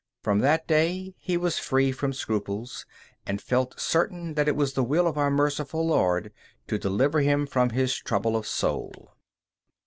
From that day he was free from scruples, and felt certain that it was the will of our merciful Lord to deliver him from his trouble of soul.